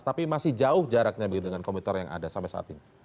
tapi masih jauh jaraknya begitu dengan komputer yang ada sampai saat ini